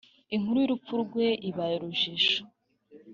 Inkuru y’urupfu rwe ibaye urujijo